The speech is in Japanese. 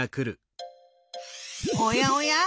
おやおや？